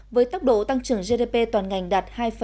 với tốc độ tăng trưởng gdp toàn ngành đạt hai năm